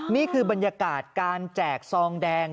นี่คือบรรยากาศการแจกซองแดง